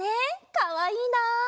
かわいいな。